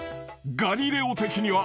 『ガリレオ』的には］